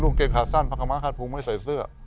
ลูงเกลียงขาสั้นพระขมะฆาตภูมิไม่ใส่เสื้อ